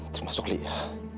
termasuk li ya